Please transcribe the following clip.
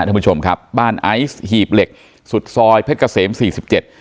ท่านผู้ชมครับบ้านไอซ์หีบเหล็กสุดซอยเพชรเกษมสี่สิบเจ็ด